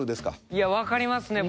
いや分かりますね